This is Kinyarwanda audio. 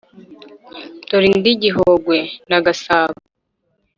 dore indi gihogwe na gasabo